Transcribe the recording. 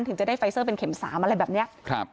ถึงจะได้ไฟเซอร์เป็นเข็มสามอะไรแบบเนี้ยครับ